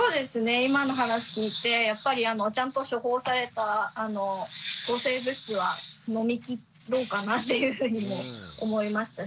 今の話聞いてやっぱりちゃんと処方された抗生物質は飲み切ろうかなっていうふうにも思いましたし